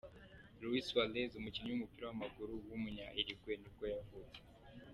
Luis Suárez, umukinnyi w’umupira w’amaguru w’umunya Uruguay nibwo yavutse.